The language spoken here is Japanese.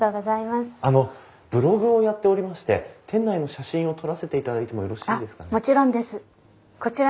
あのブログをやっておりまして店内の写真を撮らせていただいてもよろしいですかね？